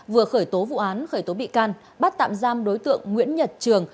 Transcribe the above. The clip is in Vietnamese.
vừa khởi tố vụ án khởi tố bị can bắt tạm giam đối tượng nguyễn nhật trường